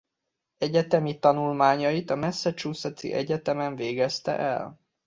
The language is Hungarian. Egyetemi tanulmányait a Massachusettsi Egyetemen végezte el.